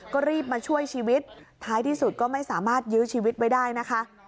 ก็รีบมาช่วยชีวิตท้ายที่สุดก็ไม่สามารถยื้อชีวิตไว้ได้นะคะ